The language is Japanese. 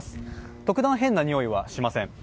特段変なにおいはしません。